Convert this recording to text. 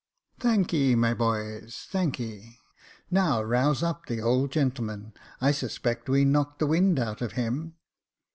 Thanky, my boys, thanky ; now rouse up the old gentleman. I suspect we knocked the wind out of him.